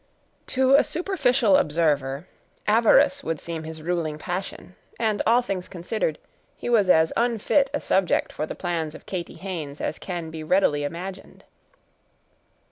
To a superficial observer, avarice would seem his ruling passion—and, all things considered, he was as unfit a subject for the plans of Katy Haynes as can be readily imagined.